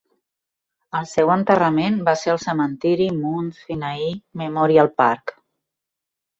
El seu enterrament va ser al cementiri Mount Sinai Memorial Park.